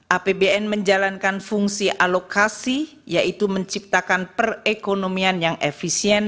apbn menjalankan fungsi alokasi yaitu menciptakan perekonomian yang efisien